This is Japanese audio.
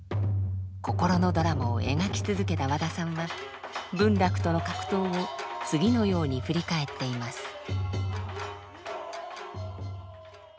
心のドラマを描き続けた和田さんは文楽との格闘を次のように振り返っています。